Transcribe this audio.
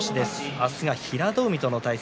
明日は平戸海との対戦。